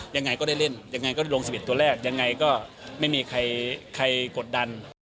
ยังไงก็ไม่มีใครกดดัน